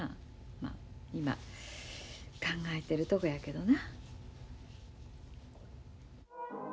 ま今考えてるとこやけどな。